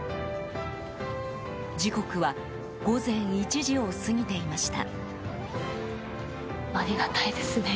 時刻は午前１時を過ぎていました。